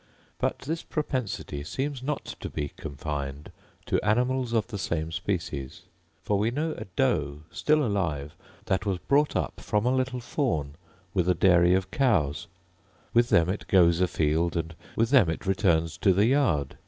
But this propensity seems not to be confined to animals of the same species; for we know a doe still alive, that was brought up from a little fawn with a dairy of cows; with them it goes afield, and with them it returns to the yard.